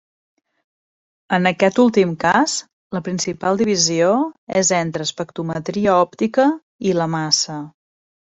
En aquest últim cas, la principal divisió és entre espectrometria òptica i la massa.